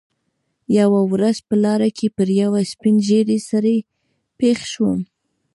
یوه ورځ په لاره کې پر یوه سپین ږیري سړي پېښ شوم.